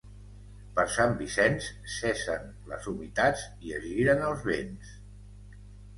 Per Sant Vicenç cessen les humitats i es giren els vents.